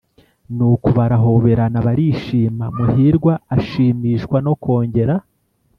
nuko barahoberana, barishima. muhirwa ashimishwa no kongera